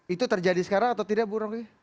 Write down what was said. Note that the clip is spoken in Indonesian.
itu terjadi sekarang atau tidak bu rongy